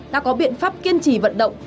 đã có biện pháp kiên trì vận động